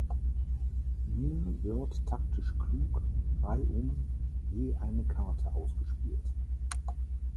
Nun wird taktisch klug reihum je eine Karte ausgespielt.